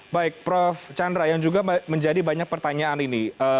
baik prof chandra yang juga menjadi banyak pertanyaan ini